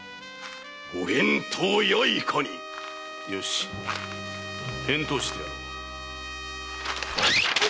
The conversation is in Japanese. ご返答やいかに⁉よし返答してやろう。